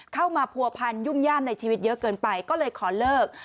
เข้ามาผัวพันยุ่มย่ามในชีวิตเยอะเกินไปก็เลยขอเลิก